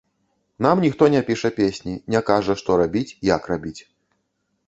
Нам ніхто не піша песні, не кажа што рабіць, як рабіць.